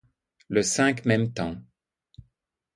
Le cinq, même temps.